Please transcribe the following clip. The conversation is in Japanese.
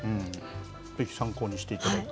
ぜひ参考にしていただいて。